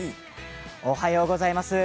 おはようございます。